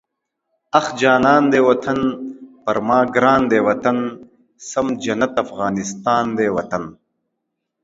اخ جانان دی وطن، پر ما ګران دی وطن، سم جنت افغانستان دی وطن